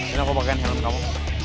ini aku pakein helm kamu